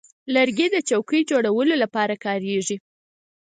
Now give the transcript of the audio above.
لرګی د چوکۍ جوړولو لپاره کارېږي.